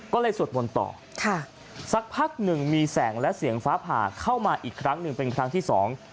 ก็เลยสวดมนต์ต่อค่ะสักพักหนึ่งมีแสงและเสียงฟ้าผ่าเข้ามาอีกครั้งหนึ่งเป็นครั้งที่สอง